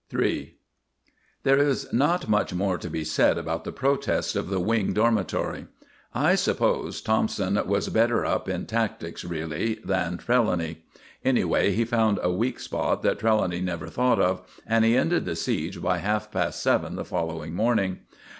III There is not much more to be said about the protest of the Wing Dormitory. I suppose Thompson was better up in tactics really than Trelawny. Anyway, he found a weak spot that Trelawny never thought of, and he ended the siege by half past seven the following morning.